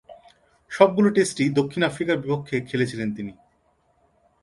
সবগুলো টেস্টই দক্ষিণ আফ্রিকার বিপক্ষে খেলেছিলেন তিনি।